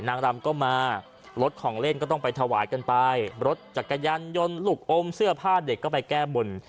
นางรำก็มารถของเล่นก็ต้องไปถวายกันไปรถจักรยานยนต์ลูกอมเสื้อผ้าเด็กก็ไปแก้บน